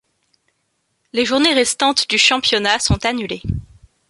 Les journées restantes du championnat sont annulées.